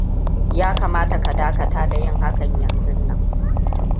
Ya kamata ka dakata da yin hakan yanzun nan.